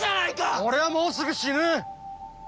俺はもうすぐ死ぬ！